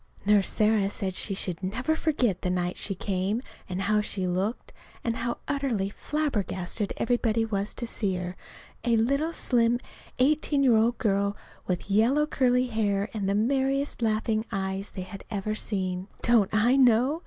Nurse Sarah said she should never forget the night she came, and how she looked, and how utterly flabbergasted everybody was to see her a little slim eighteen year old girl with yellow curly hair and the merriest laughing eyes they had ever seen. (Don't I know?